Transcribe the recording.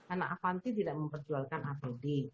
anak avanti tidak memperjualkan apd